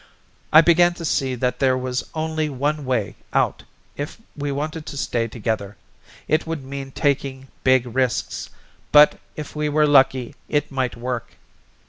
I began to see that there was only one way out if we wanted to stay together. It would mean taking big risks, but if we were lucky it might work.